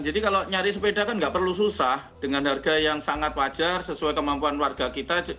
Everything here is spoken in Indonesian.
jadi kalau nyari sepeda kan nggak perlu susah dengan harga yang sangat wajar sesuai kemampuan warga kita